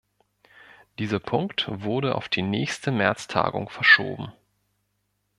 Dieser Punkt wurde auf die nächste März-Tagung verschoben.